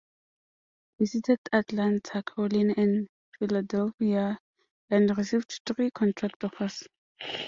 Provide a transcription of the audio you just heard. Visited Atlanta, Carolina, and Philadelphia and received three contract offers.